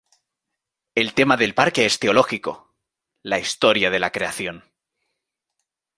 El tema del parque es teológico: la historia de la creación.